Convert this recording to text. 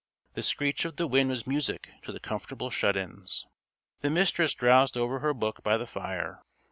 The screech of the wind was music to the comfortable shut ins. The Mistress drowsed over her book by the fire.